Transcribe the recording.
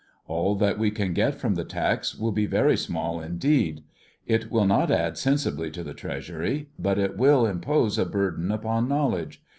All that we can get from the tax will be very small indeed. It will not add sensibly to the Treasury, but it will im pose a burden upon knowledge.